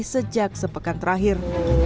sejak sepekan terakhir